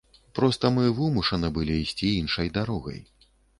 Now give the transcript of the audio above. Проста мы вымушаны былі ісці іншай дарогай.